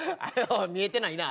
見えてないな。